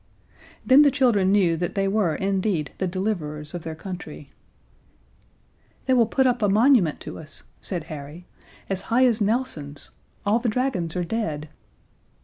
Then the children knew that they were indeed the deliverers of their country. "They will put up a monument to us," said Harry, "as high as Nelson's! All the dragons are dead."